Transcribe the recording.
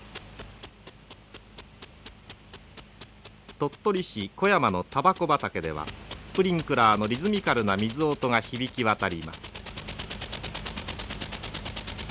鳥取市湖山のたばこ畑ではスプリンクラーのリズミカルな水音が響き渡ります。